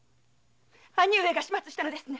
兄上が始末したのですね！